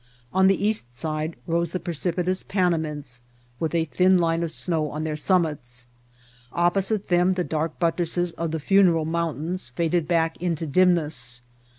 On the east side rose the precipitous Panamints with a thin line of snow on their summits; opposite them the dark buttresses of the Funeral Mountains faded back into dim ness.